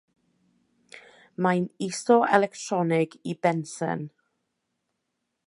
Mae'n isoelectronig i bensen.